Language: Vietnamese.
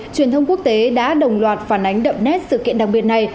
truyền thông quốc tế đã đồng loạt phản ánh đậm nét sự kiện đặc biệt này